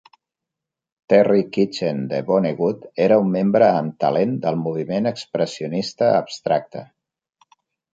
Terry Kitchen de Vonnegut era un membre amb talent del moviment Expressionista Abstracte.